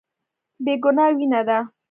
بې ګناه وينه ده.